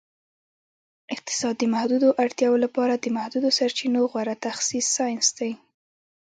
اقتصاد د محدودو اړتیاوو لپاره د محدودو سرچینو غوره تخصیص ساینس دی